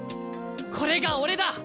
これが俺だ！